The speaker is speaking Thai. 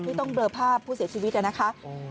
ที่ต้องเบลอภาพผู้เสียชีวิตนะคะ